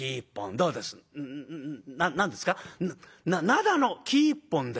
灘の生一本ですか？